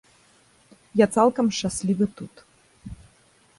Я цалкам шчаслівы тут.